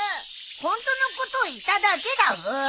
ホントのことを言っただけだブー！